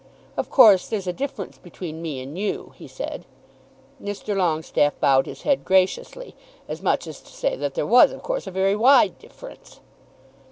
"Of course there's a difference between me and you," he said. Mr. Longestaffe bowed his head graciously, as much as to say that there was of course a very wide difference.